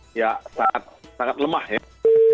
terima kasih banyak kami ucapkan kepada pak todung